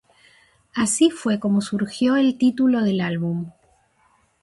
Así fue como surgió el título del álbum.